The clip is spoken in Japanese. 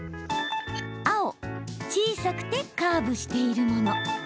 青・小さくてカーブしているもの。